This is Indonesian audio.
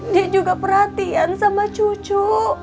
dia juga perhatian sama cucu